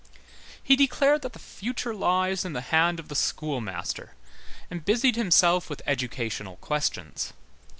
He declared that the future lies in the hand of the schoolmaster, and busied himself with educational questions.